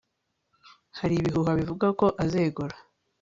Hari ibihuha bivuga ko azegura